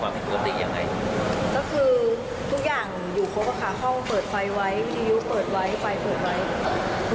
ค่ะเพื่อนเขาที่ไม่มาสอบสวนนะคะเพื่อนเขาโทรไปถามว่าเจอไหมอะไรไหมก็ไม่ค่อยตรงทางนี้